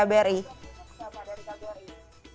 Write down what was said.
gak pak dari kbri